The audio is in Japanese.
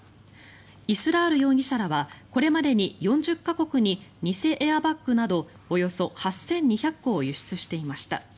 イスラール容疑者らはこれまでに４０か国に偽エアバッグなどおよそ８２００個を輸出していました。